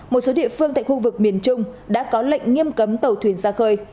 một số địa phương tại khu vực miền trung đã có lệnh nghiêm cấm tàu thuyền ra khơi